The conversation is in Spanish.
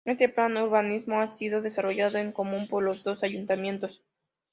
Este plan urbanístico ha sido desarrollado en común por los dos ayuntamientos.